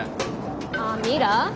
ああミラ？